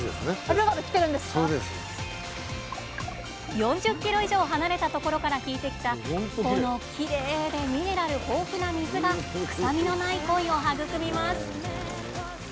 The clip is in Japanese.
４０ｋｍ以上離れたところから引いてきたこのきれいでミネラル豊富な水が臭みのないコイを育みます。